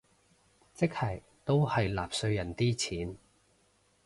即係都係納稅人啲錢